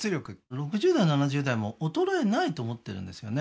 ６０代７０代も衰えないと思ってるんですよね